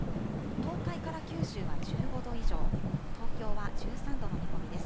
東海から九州は１５度以上、東京は１３度の見込みです。